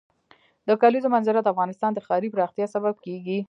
د کلیزو منظره د افغانستان د ښاري پراختیا سبب کېږي.